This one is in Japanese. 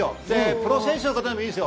プロ選手の方でもいいです。